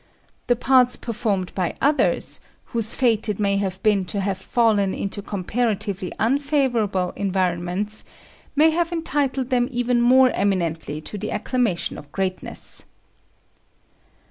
The parts performed by others, whose fate it may have been to have fallen into comparatively unfavourable environments, may have entitled them even more eminently to the acclamation of greatness.